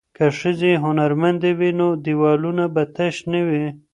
که ښځې هنرمندې وي نو دیوالونه به تش نه وي.